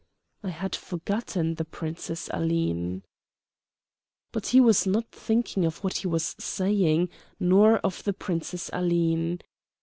"I had forgotten the Princess Aline." But he was not thinking of what he was saying, nor of the Princess Aline.